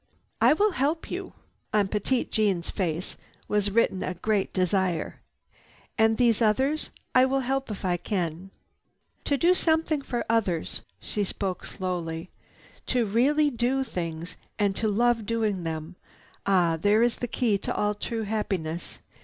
"I will help you." On Petite Jeanne's face was written a great desire. "And these others I will help if I can. "To do something for others—" she spoke slowly. "To really do things and to love doing them! Ah, there is the key to all true happiness!